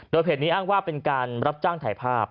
โดยเพจนี้อ้างว่าเป็นการรับจ้างถ่ายภาพ